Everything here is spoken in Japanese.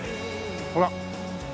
ほら。